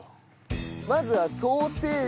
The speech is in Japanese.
まずはソーセージ。